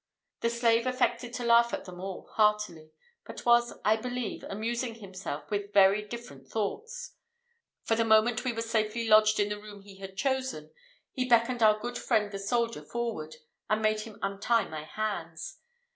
The slave affected to laugh at them all heartily, but was, I believe, amusing himself with very different thoughts; for the moment we were safely lodged in the room he had chosen, he beckoned our good friend the soldier forward, and made him untie my hands.